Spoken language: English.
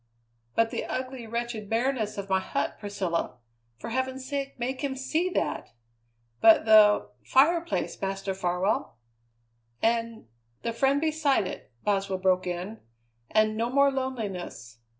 "But the ugly, wretched bareness of my hut, Priscilla! For heaven's sake, make him see that!" "But the fireplace, Master Farwell!" "And the friend beside it!" Boswell broke in; "and no more loneliness.